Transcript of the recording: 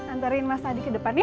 antarin mas adi ke depan ya